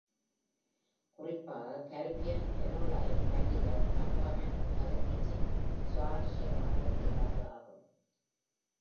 குறிப்பாக Caribbean anoline பல்லிகள், தகவமைப்பு கதிர்வீச்சின் சுவாரஸ்யமான எடுத்துக்காட்டு ஆகும்.